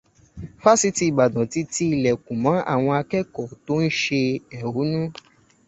Fásitì Ìbàdàn ti ti ìlẹ̀kún mọ́ àwọn akẹ́kọ̀ọ́ tó ń ṣe ẹ̀hónú